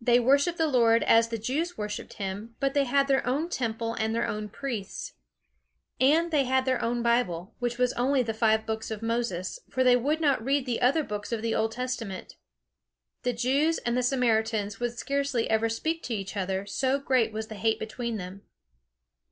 They worshipped the Lord as the Jews worshipped him, but they had their own Temple and their own priests. And they had their own Bible, which was only the five books of Moses; for they would not read the other books of the old Testament. The Jews and the Samaritans would scarcely ever speak to each other, so great was the hate between them.